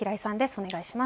お願いします。